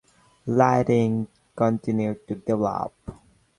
Lighting continued to develop.